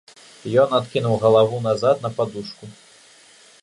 Ён адкінуў галаву назад на падушку.